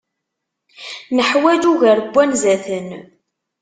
Neḥwaǧ ugar n wanzaten.